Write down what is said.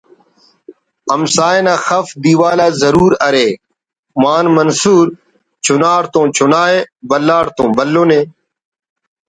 ہمسائے نا خف دیوال آ ضرور ارے مان منصور چناڑتون چناءِ بھلا ڑ تون بھلن